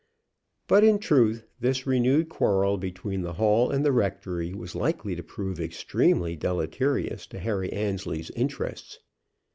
But, in truth, this renewed quarrel between the Hall and the rectory was likely to prove extremely deleterious to Harry Annesley's interests.